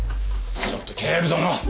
ちょっと警部殿！